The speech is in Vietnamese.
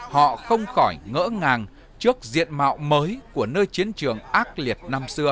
họ không khỏi ngỡ ngàng trước diện mạo mới của nơi chiến trường ác liệt năm xưa